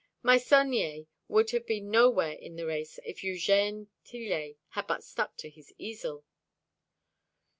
Meissonier would have been nowhere in the race if Eugène Tillet had but stuck to his easel.